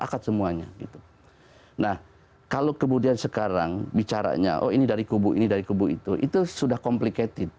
kami akan segera kembali